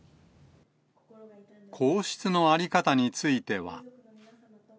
皇室の在り方については。